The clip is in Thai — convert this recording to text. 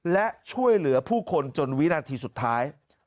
และช่วยเหลือผู้คนจนวินาทีสุดท้าย